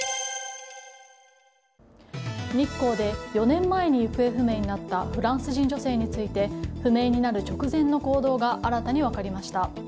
日光で４年前に行方不明になったフランス人女性について不明になる直前の行動が新たに分かりました。